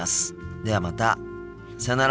ではまたさよなら。